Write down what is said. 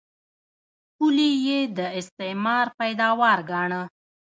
پولې یې د استعمار پیداوار ګاڼه.